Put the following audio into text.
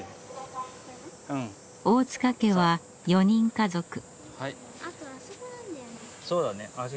大塚家は４人家族。